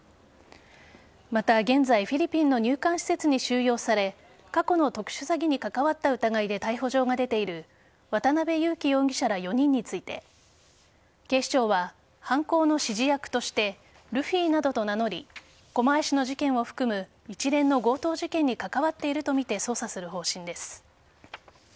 また、現在フィリピンの入管施設に収容され過去の特殊詐欺に関わった疑いで逮捕状が出ている渡辺優樹容疑者ら４人について警視庁は犯行の指示役としてルフィなどと名乗り狛江市の事件を含む一連の強盗事件に関わっているとみて捜査する方針です。